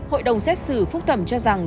hội đồng xét xử phúc thẩm cho rằng